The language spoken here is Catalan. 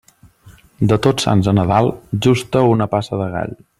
De Tots Sants a Nadal, justa una passa de gall.